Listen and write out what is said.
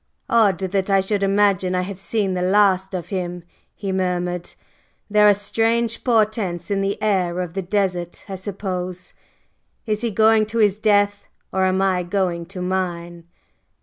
"Odd that I should imagine I have seen the last of him!" he murmured. "There are strange portents in the air of the desert, I suppose! Is he going to his death? Or am I going to mine?"